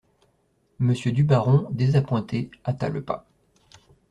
Monsieur Daburon, désappointé, hâta le pas.